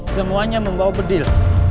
semuanya membawa bedil